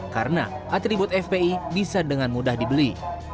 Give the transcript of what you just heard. karena atribut fpi bisa dengan mudah dibeli